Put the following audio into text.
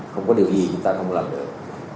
không có điều gì chúng ta không làm được